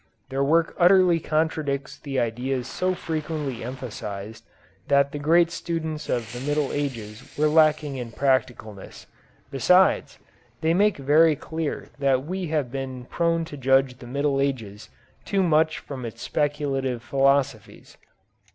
Their work utterly contradicts the idea so frequently emphasized that the great students of the Middle Ages were lacking in practicalness. Besides, they make very clear that we have been prone to judge the Middle Ages too much from its speculative philosophies.